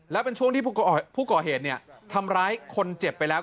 และเป็นช่วงที่ผู้ก่อเหตุทำร้ายคนเจ็บไปแล้ว